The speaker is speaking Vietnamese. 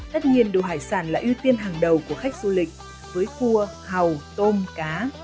tất nhiên đồ hải sản là ưu tiên hàng đầu của khách du lịch với cua hầu tôm cá